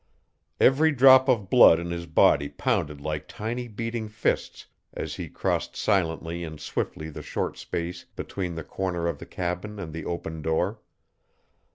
Every drop of blood in his body pounded like tiny beating fists as he crossed silently and swiftly the short space between the corner of the cabin and the open door.